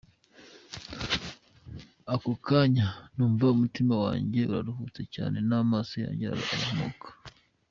Ako kanya n’umva umutima wanjye uraruhutse cyane, n’amaso yanjye arahumuka.